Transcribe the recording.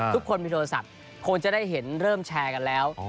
ทุกคนมีโทรศัพท์คงจะได้เห็นเริ่มแชร์กันแล้ว